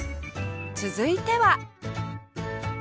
続いては